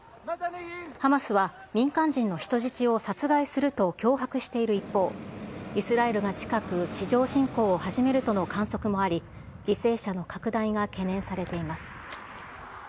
ハマスは民間人の人質を殺害すると脅迫している一方、イスラエルが近く、地上侵攻を始めるとの観測もあり、犠牲者の拡大が懸念されています。